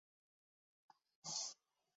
二色波罗蜜为桑科波罗蜜属下的一个种。